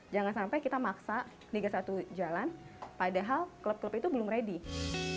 jangan sampai kita maksa liga satu jalan padahal klub klub itu belum ready